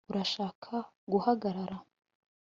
urashaka guhagarara